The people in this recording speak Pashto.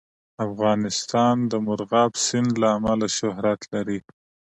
افغانستان د مورغاب سیند له امله شهرت لري.